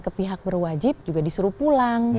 ke pihak berwajib juga disuruh pulang